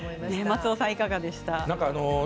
松尾さん、いかがですか？